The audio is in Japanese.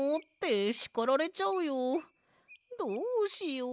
どうしよう。